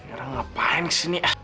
erak ngapain kesini